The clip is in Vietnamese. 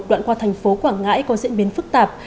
đoạn qua thành phố quảng ngãi có diễn biến phức tạp